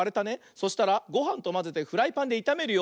そしたらごはんとまぜてフライパンでいためるよ。